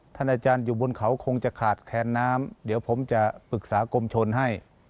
ท่านอาจารย์อยู่บนเขาคงจะขาดแคนน้ำเดี๋ยวผมจะปรึกษากรมชนให้